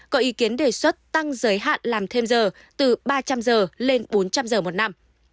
có ý kiến đề xuất tăng giới hạn làm thêm giờ từ ba trăm linh giờ lên bốn trăm linh giờ một năm